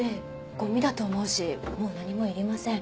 ゴミだと思うしもう何もいりません。